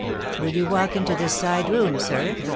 "Will you walk into this side room, sir?"